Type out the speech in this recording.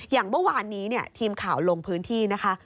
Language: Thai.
อย่างเมื่อวานนี้ทีมข่าวลงพื้นที่นะคะ